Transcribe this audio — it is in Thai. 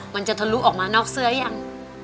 มันจะทะลุออกมานอกเสื้อยัง